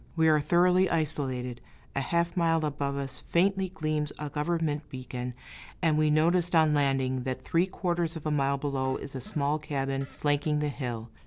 We are thoroughly isolated; a half mile above us, faintly gleams a government beacon, and we noticed on landing that three quarters of a mile below is a small cabin flanking the hill.